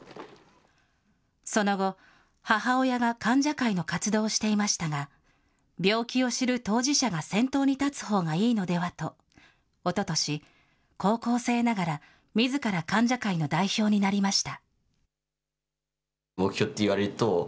その後、母親が患者会の活動をしていましたが、病気を知る当事者が先頭に立つほうがいいのではと、おととし、高校生ながらみずから患者会の代表になりました。